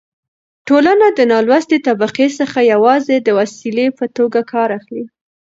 ټولنه له نالوستې طبقې څخه يوازې د وسيلې په توګه کار اخلي.